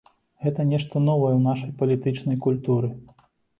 Гэта нешта новае ў нашай палітычнай культуры.